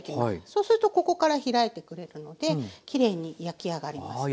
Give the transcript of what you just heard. そうするとここから開いてくれるのできれいに焼き上がります。